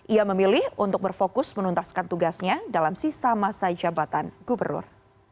ia memilih untuk berfokus menuntaskan tugasnya dalam sisa masa jabatan gubernur